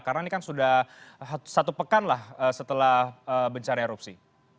karena ini kan sudah satu pekan lah setelah bencana erupsi